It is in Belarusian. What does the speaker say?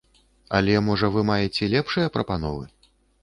Але можа вы маеце лепшыя прапановы?